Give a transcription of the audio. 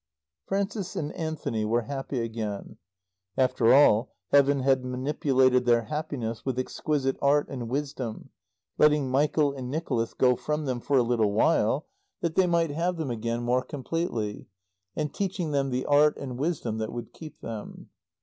Frances and Anthony were happy again. After all, Heaven had manipulated their happiness with exquisite art and wisdom, letting Michael and Nicholas go from them for a little while that they might have them again more completely, and teaching them the art and wisdom that would keep them.